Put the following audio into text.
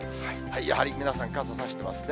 やはり、皆さん傘差してますね。